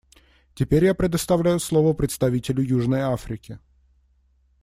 Теперь я предоставляю слово представителю Южной Африки.